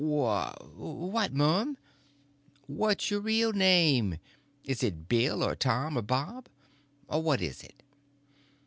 "Wh—what, mum?" "What's your real name? Is it Bill, or Tom, or Bob?—or what is it?"